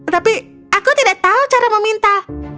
tapi aku tidak tahu cara meminta